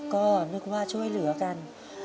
ก็นึกว่าช่วยเหลือกัน